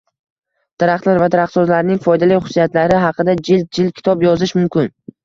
Daraxtlar va daraxtzorlarning foydali xususiyatlari haqida jild-jild kitob yozish mumkin